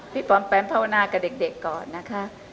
ปลอมแปมภาวนากับเด็กก่อนนะคะ